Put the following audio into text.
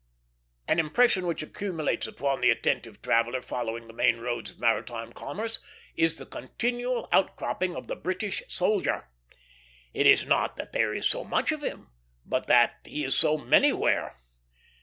An impression which accumulates upon the attentive traveller following the main roads of maritime commerce is the continual outcropping of the British soldier. It is not that there is so much of him, but that he is so manywhere.